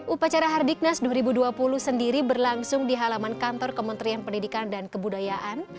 upacara hardiknas dua ribu dua puluh sendiri berlangsung di halaman kantor kementerian pendidikan dan kebudayaan